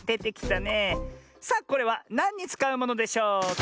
さあこれはなんにつかうものでしょうか？